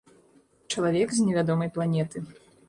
Чалавек з невядомай планеты.